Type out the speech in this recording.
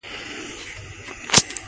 لعل د افغانانو د تفریح یوه وسیله ده.